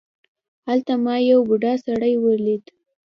هلته ما یو بوډا سړی ولید.